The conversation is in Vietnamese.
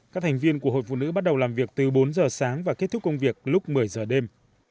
các thành viên của hội phụ nữ bắt đầu làm việc từ bốn giờ sáng và kết thúc công việc lúc một mươi giờ đêm